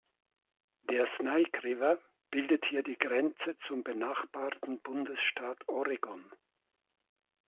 Der Snake River bildet hier die Grenze zum benachbarten Bundesstaat Oregon.